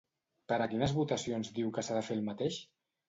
Per a quines votacions diu que s'ha de fer el mateix?